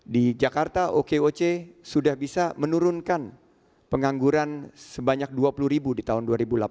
di jakarta okoc sudah bisa menurunkan pengangguran sebanyak dua puluh ribu di tahun dua ribu delapan belas